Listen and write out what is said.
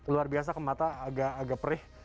luar biasa ke mata agak perih